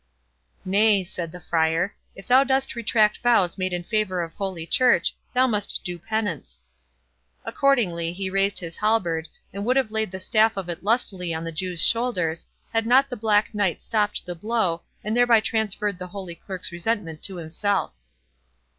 "Nay," said the Friar, "if thou dost retract vows made in favour of holy Church, thou must do penance." Accordingly, he raised his halberd, and would have laid the staff of it lustily on the Jew's shoulders, had not the Black Knight stopped the blow, and thereby transferred the Holy Clerk's resentment to himself.